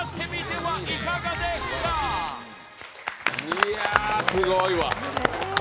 いやすごいわ。